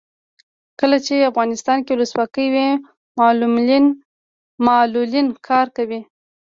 کله چې افغانستان کې ولسواکي وي معلولین کار کوي.